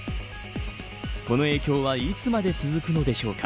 この影響はいつまで続くのでしょうか。